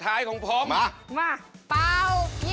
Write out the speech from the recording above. เสาคำยันอาวุธิ